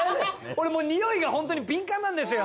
俺もうニオイがホントに敏感なんですよ